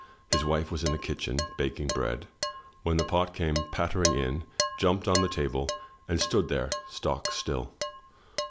His wife was in the kitchen, baking bread, when the pot came pattering in, jumped on the table and stood there, stock still.